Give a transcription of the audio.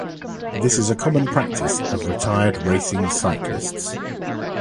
This is a common practice of retired racing cyclists.